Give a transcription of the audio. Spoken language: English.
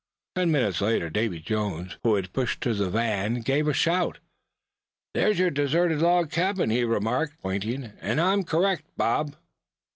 Ten minutes later Davy Jones, who had pushed to the van, gave a shout. "There's your deserted log cabin!" he remarked, pointing. "Am I correct, Bob?"